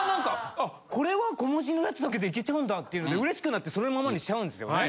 あっこれは小文字のやつだけでいけちゃうんだっていうので嬉しくなってそのままにしちゃうんですよね。